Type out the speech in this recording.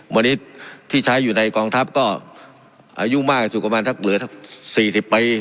วันนี้ที่ใช้อยู่ในกองทัพก็อายุมากสูงประมาณถ้าเหลือสี่สิบไป